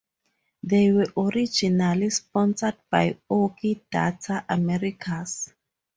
They were originally sponsored by Oki Data Americas.